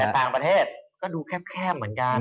ทั้งประเทศดูแคบแคบเหมือนกัน